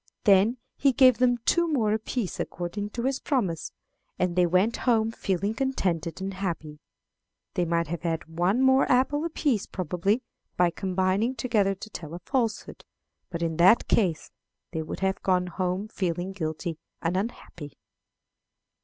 Then he gave them two more apiece, according to his promise, and they went home feeling contented and happy. "They might have had one more apple apiece, probably, by combining together to tell a falsehood; but in that case they would have gone home feeling guilty and unhappy."